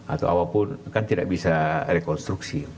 atau apapun kan tidak bisa rekonstruksi